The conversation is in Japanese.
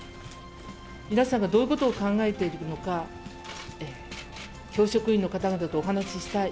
皆さんがどういうことを考えているのか、教職員の方々とお話したい。